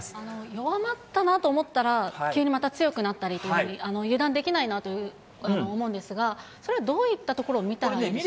弱まったなと思ったら、急にまた強くなったりというふうに、油断できないなというふうに思うんですが、それはどういったところを見たらいいんでしょうか？